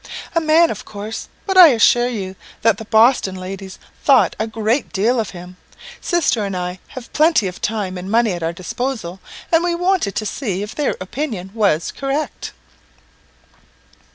"A man, of course; but I assure you that the Boston ladies thought a great deal of him. Sister and I have plenty of time and money at our disposal, and we wanted to see if their opinion was correct."